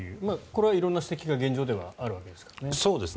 これは色んな指摘が現状ではあるわけですからね。